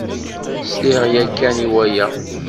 Sliɣ ya kan i waya.